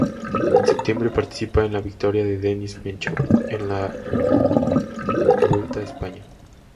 En septiembre, participa en la victoria de Denis Menchov en la Vuelta a España.